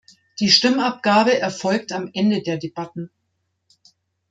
Die Stimmabgabe erfolgt am Ende der Debatten.